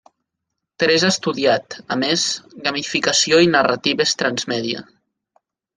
Teresa ha estudiat, a més, gamificació i narratives transmèdia.